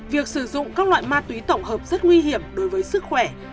việc sử dụng các loại ma túy tổng hợp rất nguy hiểm đối với sức khỏe